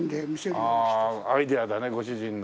ああアイデアだねご主人の。